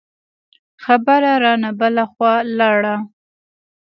خبره رانه بله خوا لاړه.